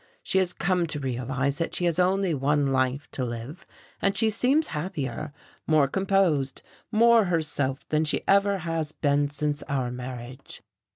She has come to realize that she has only one life to live, and she seems happier, more composed, more herself than she has ever been since our marriage.